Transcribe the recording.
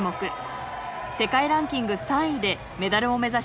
世界ランキング３位でメダルを目指します。